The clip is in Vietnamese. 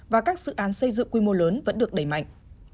và các dự án xây dựng quy mô lớn vẫn được đẩy mạnh